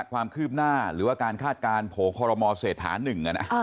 ความคืบหน้าหรือว่าการคาดการณ์โผล่คอรมอเศรษฐา๑